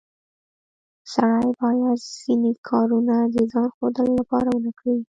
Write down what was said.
سړی باید ځینې کارونه د ځان ښودلو لپاره ونه کړي